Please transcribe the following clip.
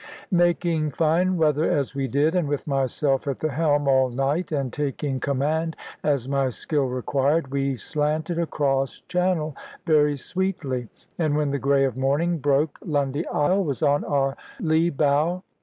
Making fine weather as we did, and with myself at the helm all night, and taking command (as my skill required), we slanted across Channel very sweetly; and when the grey of morning broke, Lundy Isle was on our lee bow.